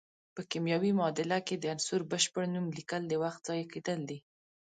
په کیمیاوي معادله کې د عنصر بشپړ نوم لیکل د وخت ضایع کیدل دي.